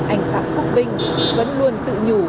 anh phạm phúc vinh vẫn luôn tự nhủ